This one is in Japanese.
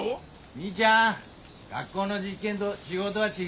みーちゃん学校の実験ど仕事は違うがらね。